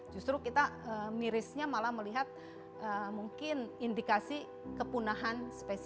justru kita mirisnya malah melihat mungkin indikasi kepunahan spesifik